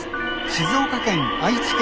静岡県愛知県